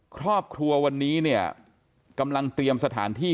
ครอบครัววันนี้เนี่ยกำลังเตรียมสถานที่